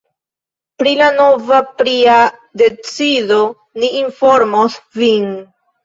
Pri la nova pria decido ni informos vin.